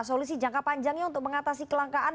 solusi jangka panjangnya untuk mengatasi kelangkaan